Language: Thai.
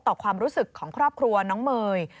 ต่อความรู้สึกของครอบครัวน้องเมย์